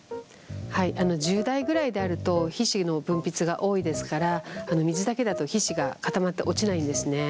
はい１０代ぐらいであると皮脂の分泌が多いですから水だけだと皮脂が固まって落ちないんですね。